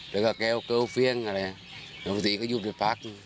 แล้วก็แก้วเกล้าเฟี้ยงอะไรปกติก็หยุดไปพัก